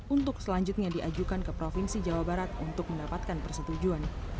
untuk selanjutnya diajukan ke provinsi jawa barat untuk mendapatkan persetujuan